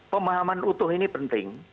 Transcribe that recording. pemahaman utuh ini penting